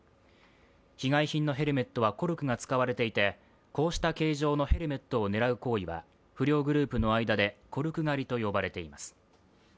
被害品のヘルメットはコルクが使われていて、こうした形状のヘルメットを狙う行為は不良グループの間でコルク狩りと呼ばれています。